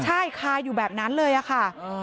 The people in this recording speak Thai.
ใช่คาอยู่แบบนั้นเลยค่ะ